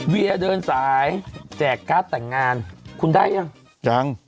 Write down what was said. เวียเดินสายแจกการ์ดแต่งงานคุณได้ยังยัง